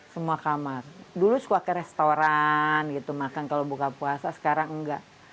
semua kamar dulu suka ke restoran gitu makan kalau buka puasa sekarang enggak